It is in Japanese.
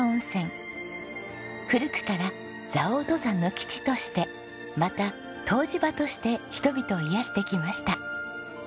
古くから蔵王登山の基地としてまた湯治場として人々を癒やしてきました。